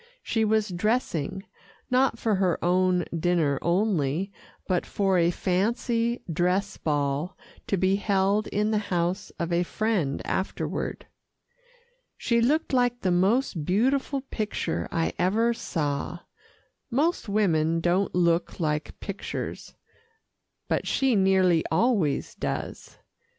She was dressing, not for her own dinner only, but for a fancy dress ball to be held in the house of a friend afterward. She looked like the most beautiful picture I ever saw. Most women don't look like pictures, but she nearly always does.